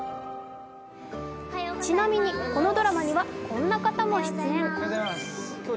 ちなみにこのドラマにはこんな方も出演。